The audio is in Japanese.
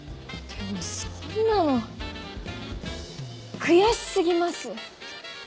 でもそんなの悔し過ぎます。